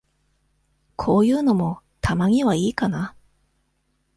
こういうのも、たまにはいいかな。